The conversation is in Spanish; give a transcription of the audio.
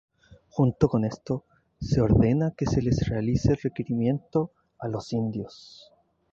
Junto con esto se ordena que se les realice el Requerimiento a los indios.